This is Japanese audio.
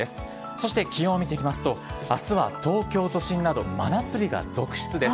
そして、気温を見ていきますと、あすは東京都心など真夏日が続出です。